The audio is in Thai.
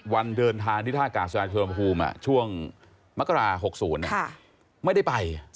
วันเดินทางที่ท่ากาศส่วนอาทิตยาลัมภูมิช่วงมกราศ๖๐ไม่ได้ไป